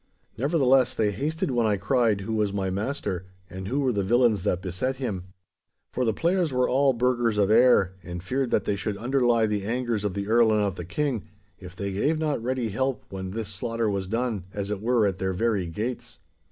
Nevertheless, they hasted when I cried who was my master, and who were the villains that beset him. For the players were all burghers of Ayr and feared that they should underlie the angers of the Earl and of the King, if they gave not ready help when this slaughter was done, as it were, at their very gates.